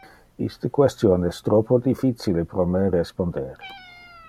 Iste question es troppo difficile pro me responder.